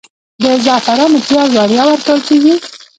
د زعفرانو پیاز وړیا ورکول کیږي؟